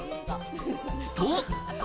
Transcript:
と。